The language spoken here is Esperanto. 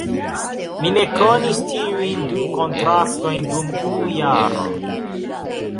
Mi ne konis tiujn du kontraktojn dum unu jaro.